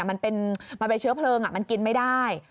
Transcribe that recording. มันเป็นเชื้อเพลิงมันกินไม่ได้